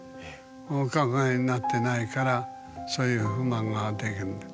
お伺いになってないからそういう不満ができるんだよ。